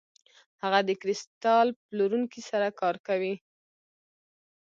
هغه د کریستال پلورونکي سره کار کوي.